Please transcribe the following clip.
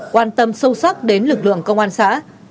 quan tâm sâu sắc đến lực lượng công an xã